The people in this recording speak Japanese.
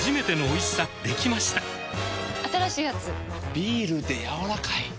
ビールでやわらかい。